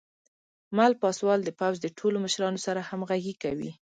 مل پاسوال د پوځ د ټولو مشرانو سره همغږي کوي.